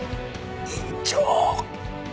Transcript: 院長！